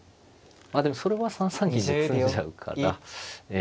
あでもそれは３三銀で詰んじゃうからえ